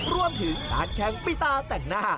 รวมถึงการแข่งปีตาแต่งหน้า